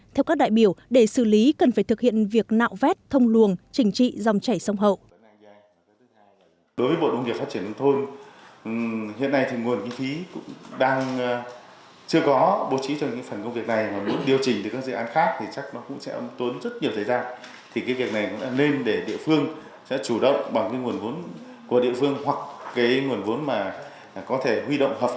theo các đại biểu để xử lý cần phải thực hiện việc nạo vét thông luồng chỉnh trị dòng chảy sông hậu